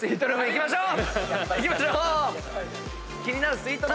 行きましょう！